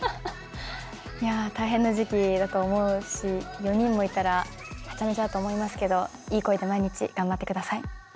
いやあ大変な時期だと思うし４人もいたらハチャメチャだと思いますけどいい声で毎日頑張ってください。